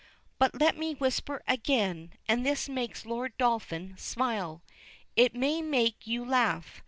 But let me whisper again, and this makes Lord Dolphin smile; it may make you laugh.